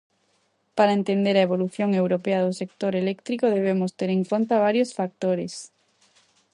Para entender a evolución europea do sector eléctrico debemos ter en conta varios factores.